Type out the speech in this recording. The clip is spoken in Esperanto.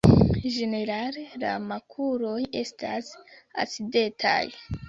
Ĝenerale la makuloj estas acidetaj.